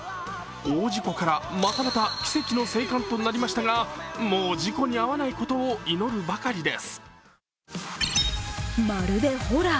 大事故からまたまた奇跡の生還となりましたがもう事故に遭わないことを祈るばかりです。